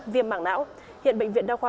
viêm mảng não hiện bệnh viện đao khoa